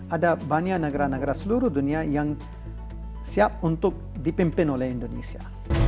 ada banyak negara negara seluruh dunia yang siap untuk dipimpin oleh indonesia